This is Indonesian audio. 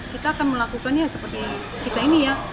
kita akan melakukannya seperti kita ini ya